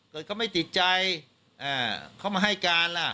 เกิดเขาไม่ติดใจเขามาให้การล่ะ